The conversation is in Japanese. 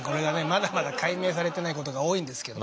まだまだ解明されてないことが多いんですけど。